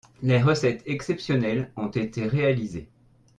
Les recettes exceptionnelles ont été réalisées.